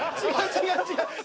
違う違う。